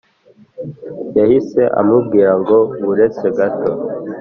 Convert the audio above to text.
Yahise amubwira ngo buretse gato